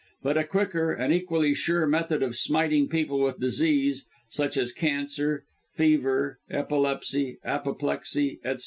"But a quicker, and equally sure method of smiting people with disease, such as cancer, fever, epilepsy, apoplexy, etc.